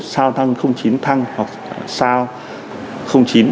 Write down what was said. sao thăng chín thăng hoặc sao